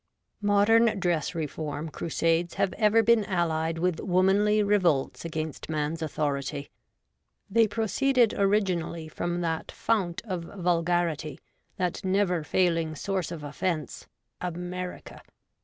MODERN dress reform crusades have ever been allied with womanly revolts against man's authority. They proceeded originally from that fount of vulgarity, that never failing source of offence — America.